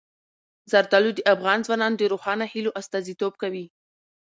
زردالو د افغان ځوانانو د روښانه هیلو استازیتوب کوي.